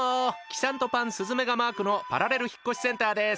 キサントパンスズメガマークのパラレル引越しセンターです。